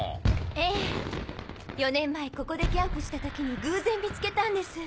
ええ４年前ここでキャンプした時に偶然見つけたんです。